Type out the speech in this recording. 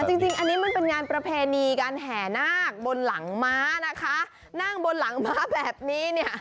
จริงอันนี้มันเป็นงานประเพณี